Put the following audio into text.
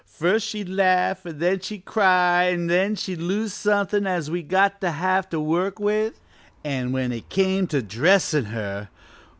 First she'd laugh an' then she'd cry an' then she'd lose suthin' as we'd got to have to work with. An' when it come to dressin' her!